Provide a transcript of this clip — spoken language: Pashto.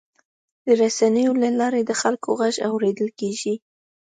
د رسنیو له لارې د خلکو غږ اورېدل کېږي.